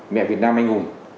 ba trăm linh mẹ việt nam anh hùng